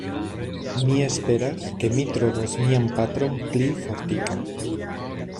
Mi esperas, ke mi trovos mian patron pli fortika.